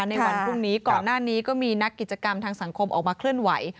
ในวันพรุ่งนี้ก่อนหน้านี้ก็มีนักกิจกรรมทางสังคมออกมาเคลื่อนไหว